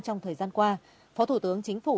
trong thời gian qua phó thủ tướng chính phủ